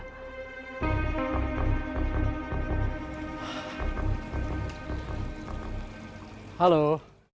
tak environment mulai sakit sekarang